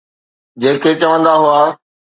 جيڪي چوندا هئا